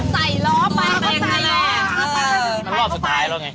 นั่นรอบสุดท้ายแล้วไง